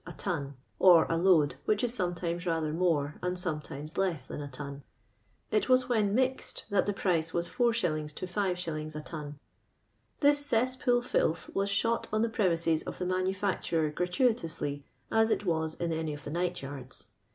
a ton (or a load, which is soinetiines rather more and sometimes less than a ton). It was when mixed tliat tlic price was 4«. to bs. a ton. This ces.'ipool filth was shot on the premise s of the manufai turer gratuitonslj, as it wns in any of the night yards.